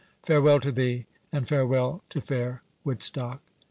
Farewell to thee,—and farewell to fair Woodstock!"